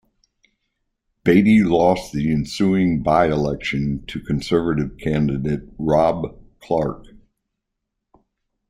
Beatty lost the ensuing byelection to Conservative candidate Rob Clarke.